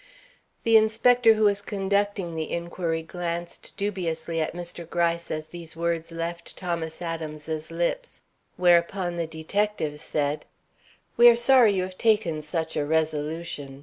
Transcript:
The inspector who was conducting the inquiry glanced dubiously at Mr. Gryce as these words left Thomas Adams's lips; whereupon the detective said: "We are sorry you have taken such a resolution.